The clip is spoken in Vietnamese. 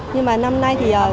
nhưng mà năm nay thì